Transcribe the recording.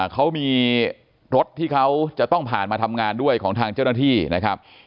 เขามีรถที่เขาจะต้องผ่านมาทำงานด้วยของทางเจ้าหน้าที่นะครับ